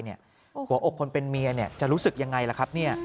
หัวอกคนเป็นเมียจะรู้สึกยังไงล่ะครับ